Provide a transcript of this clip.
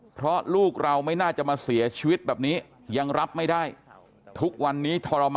เพราะลูกเราไม่น่าจะมาเสียชีวิตแบบนี้ยังรับไม่ได้